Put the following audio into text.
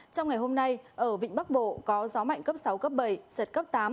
trong ngày hôm nay ở vịnh bắc bộ có gió mạnh cấp sáu cấp bảy giật cấp tám